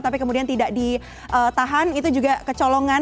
tapi kemudian tidak ditahan itu juga kecolongan